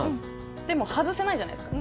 でも外せないじゃないですか。